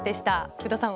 福田さん